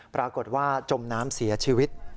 ปรากฏว่าจมน้ำเสียชีวิต